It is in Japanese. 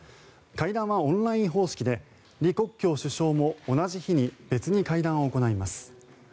会談はオンライン方式で李克強首相も同じ日に別に会談をします。